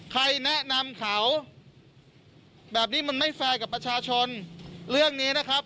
ใครแนะนำเขาแบบนี้มันไม่แฟร์กับประชาชนเรื่องนี้นะครับ